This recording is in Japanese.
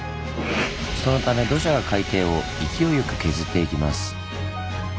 そのため土砂が海底を勢いよく削っていきます。